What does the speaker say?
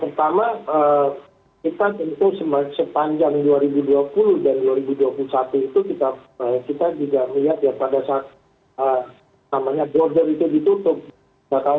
pertama kita tentu sepanjang dua ribu dua puluh dan dua ribu dua puluh satu itu kita juga lihat ya pada saat